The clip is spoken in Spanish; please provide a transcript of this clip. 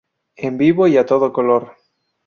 En Vivo Y... A Todo Color..!